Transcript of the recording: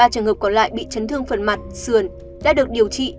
ba trường hợp còn lại bị chấn thương phần mặt sườn đã được điều trị